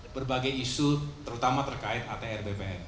berbagai isu terutama terkait atr bbm